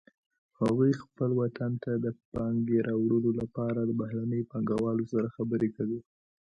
هغوی خپل وطن ته د پانګې راوړلو لپاره د بهرنیو پانګوالو سره خبرې کوي